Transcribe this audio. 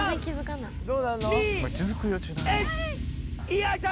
よいしょ！